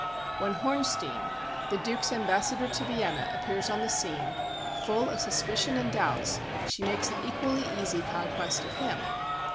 When Hornstein, the Duke's ambassador to Vienna, appears on the scene, full of suspicion and doubts, she makes an equally easy conquest of him.